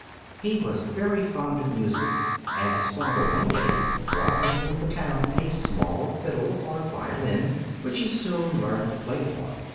He was very fond of music, and his father one day brought him from the town a small fiddle, or violin, which he soon learned to play upon.